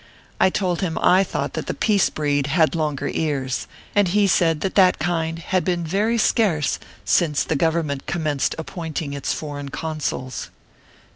I told him I thought that the peace breed had longer ears ; and he said that that kind had been very scarce since the Government com menced appointing its foreign consuls.